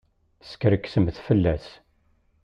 Teskerksemt fell-as!